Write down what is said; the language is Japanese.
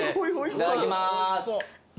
いただきます。